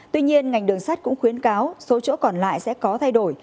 tuy nhiên ngành đường sắt cũng khuyến cáo số chỗ còn lại sẽ có thay đổi